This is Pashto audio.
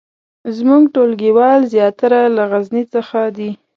زمونږ ټولګیوال زیاتره له غزني څخه دي